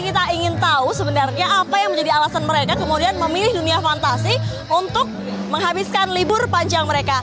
kita ingin tahu sebenarnya apa yang menjadi alasan mereka kemudian memilih dunia fantasi untuk menghabiskan libur panjang mereka